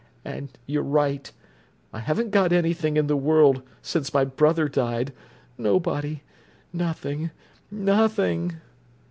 And you're right: I haven't got anything in the world, since my brother died—nobody—nothing—nothing!"